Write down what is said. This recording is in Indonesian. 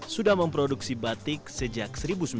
sudah memproduksi batik sejak seribu sembilan ratus sembilan puluh